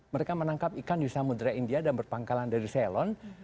mereka menangkap ikan di samudera india dan berpangkalan dari selon